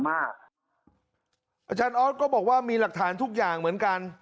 อาจารย์ออสก็บอกว่ามีหลักฐานทุกอย่างเหมือนกัน